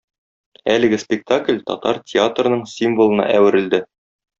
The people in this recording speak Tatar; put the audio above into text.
Әлеге спектакль татар театрының символына әверелде.